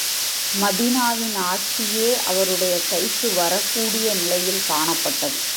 மதீனாவின் ஆட்சியே அவருடைய கைக்கு வரக் கூடிய நிலையில் காணப்பட்டது.